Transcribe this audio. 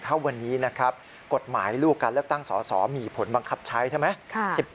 ถ้าวันนี้นะครับกฎหมายลูกการเลือกตั้งสอสอมีผลบังคับใช้ใช่ไหม